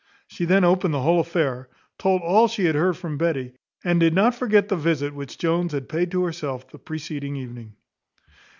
She then opened the whole affair, told all she had heard from Betty; and did not forget the visit which Jones had paid to herself the preceding evening.